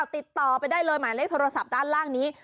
ติดต่อไปได้เลยหมายเลขโทรศัพท์ด้านล่างนี้